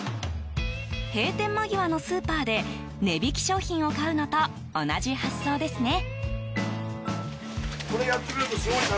閉店間際のスーパーで値引き商品を買うのと同じ発想ですね。